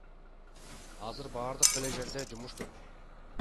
Азыр баардык эле жерде жумуш көп.